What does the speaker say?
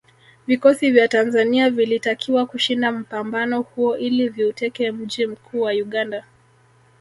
Vikosi vya Tanzania vilitakiwa kushinda mpambano huo ili viuteke mji mkuu wa Uganda